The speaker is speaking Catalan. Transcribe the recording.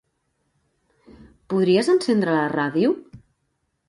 Podries encendre la ràdio?